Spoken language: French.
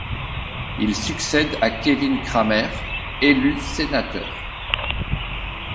Il succède à Kevin Cramer, élu sénateur.